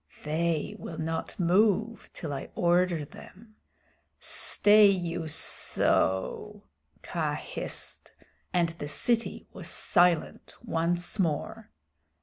"They will not move till I order them. Stay you sssso!" Kaa hissed, and the city was silent once more.